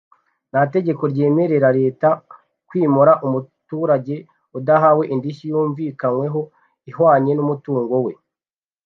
nta tegeko ryemerera Leta kwimura umuturage adahawe indishyi yumvikanyweho ihwanye n’umutungo we